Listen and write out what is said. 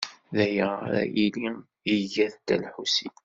D aya ara yili iga-t Dda Lḥusin.